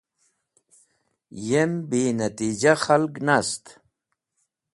Yem binatijah khalg nast.